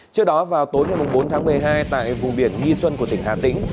trước đó vào tối bốn tháng một mươi hai tại vùng biển nhi xuân của tỉnh hà tĩnh